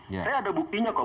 saya ada buktinya kok